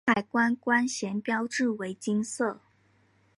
海关关衔标志为金色。